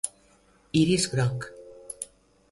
Iris groc.